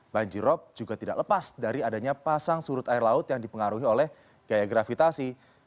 banjirop juga tidak lepas dari adanya pasang surut air laut yang dipengaruhi oleh gaya gravitasi